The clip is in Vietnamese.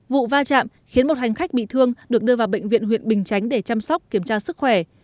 vụ va chạm khiến một hành khách bị thương được đưa vào bệnh viện huyện bình chánh để chăm sóc kiểm tra sức khỏe